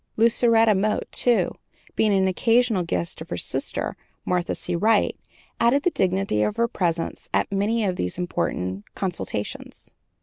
Lucretia Mott, too, being an occasional guest of her sister, Martha C. Wright, added the dignity of her presence at many of these important consultations.